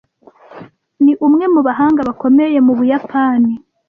Ni umwe mu bahanga bakomeye mu Buyapani.